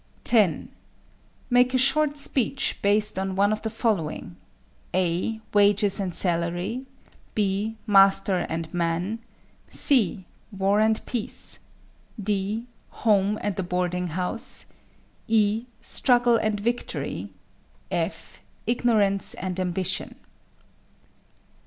10. Make a short speech based on one of the following: (a) wages and salary; (b) master and man; (c) war and peace; (d) home and the boarding house; (e) struggle and victory; (f) ignorance and ambition.